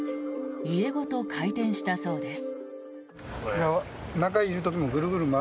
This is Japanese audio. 家ごと回転したそうです。